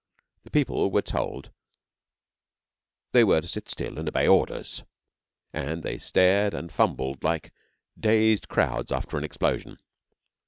The people were told they were to sit still and obey orders; and they stared and fumbled like dazed crowds after an explosion.